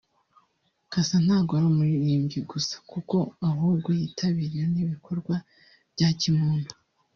Cassa ntago ari umuririmbyi gusa kuko ahubwo yitabira n’ibikorwa bya kimuntu